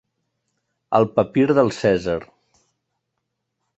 El papir del Cèsar.